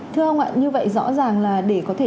thưa ông ạ như vậy rõ ràng là để có thể